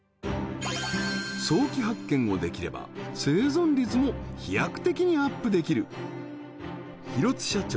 早期発見をできれば生存率も飛躍的にアップできる広津社長